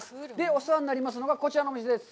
お世話になりますのが、こちらのお店です。